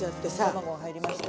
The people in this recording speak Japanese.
卵入りました。